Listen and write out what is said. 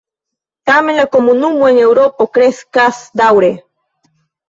Tamen, la komunumo en Eŭropo kreskas daŭre.